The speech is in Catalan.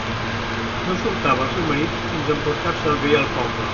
No soltava el seu marit fins a emportar-se'l bé al poble.